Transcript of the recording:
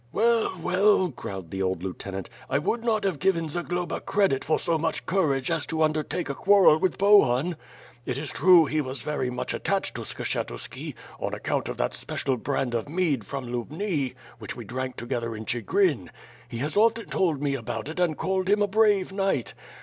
"Well, well," growled the old lieutenant, "I would not have given Zagloba credit for so much courage as to under take a quarrel with Bohun. It is true he was very much at tached to Skshetuski, on account of that special brand of mead from Lubni, which we drank together in Chigrin. He has often told me about it and called him a brave knight.